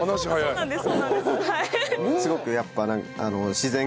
そうなんです。